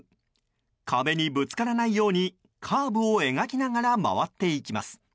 壁にぶつからないようにカーブを描きながら回っていきます。